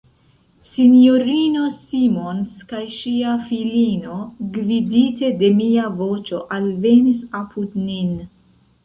S-ino Simons kaj ŝia filino, gvidite de mia voĉo, alvenis apud nin.